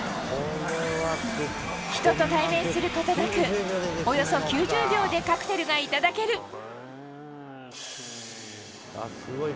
人と対面することなくおよそ９０秒でカクテルがいただける。